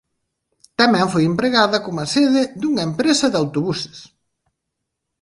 Tamén foi empregada coma sede dunha empresa de autobuses.